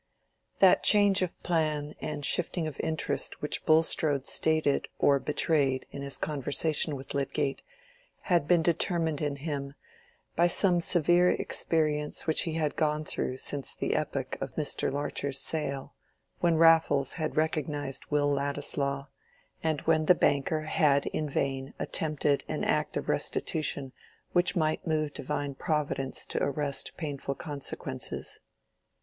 That change of plan and shifting of interest which Bulstrode stated or betrayed in his conversation with Lydgate, had been determined in him by some severe experience which he had gone through since the epoch of Mr. Larcher's sale, when Raffles had recognized Will Ladislaw, and when the banker had in vain attempted an act of restitution which might move Divine Providence to arrest painful consequences.